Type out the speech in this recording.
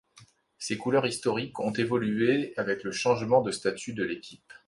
Ces couleurs historiques ont évolué avec le changement de statut de l'équipe.